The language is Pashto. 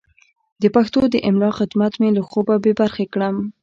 د پښتو د املا خدمت مې له خوبه بې برخې کړم.